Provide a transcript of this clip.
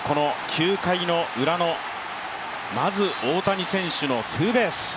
９回ウラの、まず大谷選手のツーベース。